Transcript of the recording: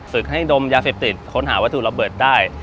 ศึกให้ดมยาเซปติดค้นหาวัตถุรอบเบิร์ตได้